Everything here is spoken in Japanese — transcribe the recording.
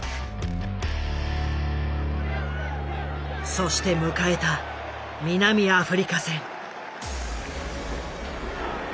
そして迎えた南アフリカ戦。